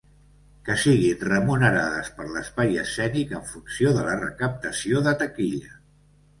Que siguin remunerades per l'espai escènic en funció de la recaptació de taquilla.